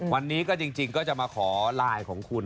วันนี้ก็จริงก็จะมาขอไลน์ของคุณ